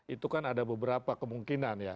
itu kan ada beberapa kemungkinan ya